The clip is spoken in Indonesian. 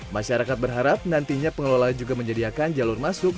masyarakat berharap nantinya pengelola juga menyediakan jalur masuk